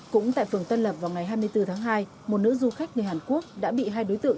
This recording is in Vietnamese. cũng tại phường tân lập vào ngày hai mươi bốn tháng hai một nữ du khách người hàn quốc đã bị hai đối tượng